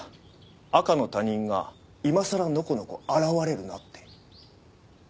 赤の他人が今さらのこのこ現れるなって。